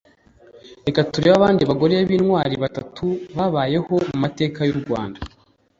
reka turebe abandi bagore b’intwari batatu babayeho mu mateka y’u Rwanda